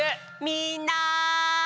みんな！